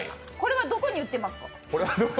これはどこに売ってますか？